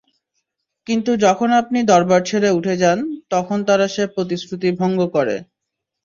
কিন্তু যখন আপনি দরবার ছেড়ে উঠে যান তখন তারা সে প্রতিশ্রুতি ভঙ্গ করে।